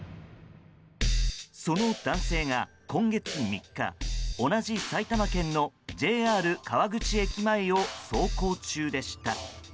その男性が今月３日同じ埼玉県のＪＲ川口駅前を走行中でした。